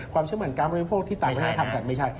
เชื่อเหมือนการบริโภคที่ต่างประเทศทำกันไม่ใช่